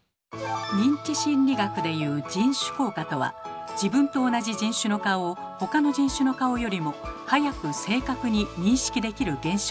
認知心理学でいう「人種効果」とは自分と同じ人種の顔をほかの人種の顔よりも早く正確に認識できる現象のこと。